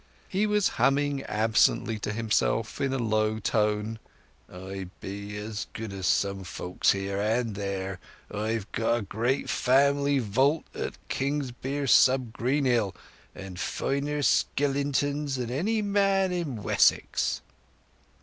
He was humming absently to himself, in a low tone: "I be as good as some folks here and there! I've got a great family vault at Kingsbere sub Greenhill, and finer skillentons than any man in Wessex!"